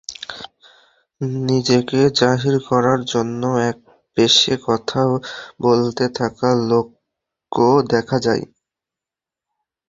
নিজেকে জাহির করার জন্যও একপেশে কথা বলতে থাকা লোকও দেখা যায়।